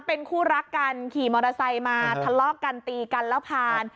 เป็นคู่รักกันขี่มอเตอร์ไซค์มาทะเลาะกันตีกันแล้วผ่าน